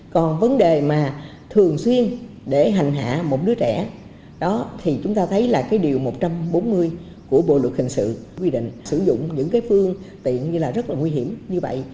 còn vấn đề mà thường xuyên để hành hạ một đứa trẻ đó thì chúng ta thấy là cái điều một trăm bốn mươi của bộ luật hình sự quy định sử dụng những cái phương tiện như là rất là nguy hiểm như vậy